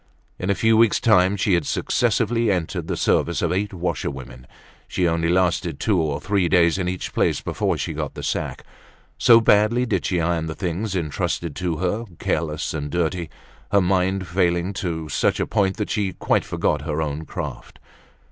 In a few weeks' time she had successively entered the service of eight washerwomen; she only lasted two or three days in each place before she got the sack, so badly did she iron the things entrusted to her, careless and dirty, her mind failing to such a point that she quite forgot her own craft.